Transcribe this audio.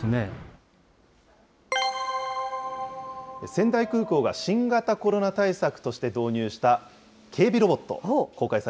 仙台空港が新型コロナ対策として導入した警備ロボット、公開